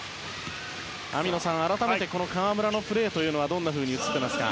網野さん、改めて河村のプレーはどんなふうに映っていますか。